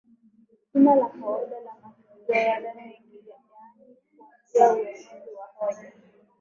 jina la kawaida la matukio yale mengi yaani kuanzia uenezi wa hoja